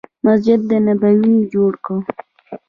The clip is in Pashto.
مسجد نبوي یې جوړ کړ.